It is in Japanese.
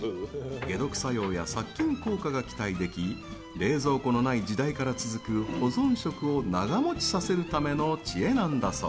解毒作用や殺菌効果が期待でき冷蔵庫のない時代から続く保存食を長持ちさせるための知恵なんだそう。